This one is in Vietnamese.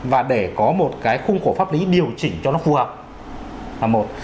và để có một cái khung khổ pháp lý điều chỉnh cho nó phù hợp là một